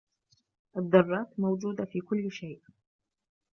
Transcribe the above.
الذرات موجودة في كل شيء.